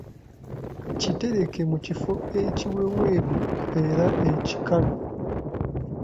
Gitereke mu kifo ekiweweevu era ekikalu.